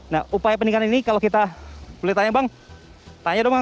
nah upaya pendinginan ini kalau kita boleh tanya bang tanya dong bang